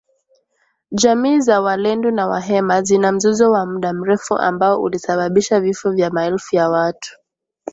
Jamii za walendu na wahema zina mzozo wa muda mrefu ambao ulisababisha vifo vya maelfu ya watu .